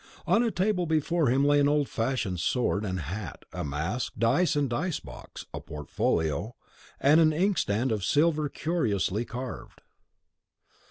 On a table before him lay an old fashioned sword and hat, a mask, dice and dice box, a portfolio, and an inkstand of silver curiously carved.